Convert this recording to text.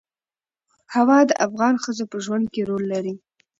هوا د افغان ښځو په ژوند کې رول لري.